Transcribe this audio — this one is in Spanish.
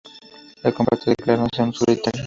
Él comparte declarándose un solitario.